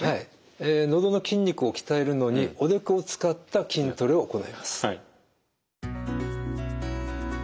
どの筋肉を鍛えるのにおでこを使った筋トレを行います。